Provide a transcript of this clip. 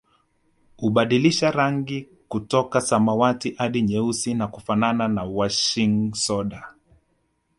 Hubadilisha rangi kutoka samawati hadi nyeusi na kufanana na washing soda